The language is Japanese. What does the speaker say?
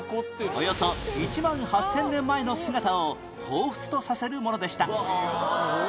およそ１万８０００年前の姿を彷彿とさせるものでした